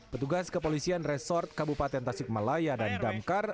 petugas kepolisian resort kabupaten tasikmalaya dan damkar